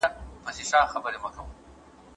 ما مخکي د سبا لپاره د نوي لغتونو يادونه کړې وه..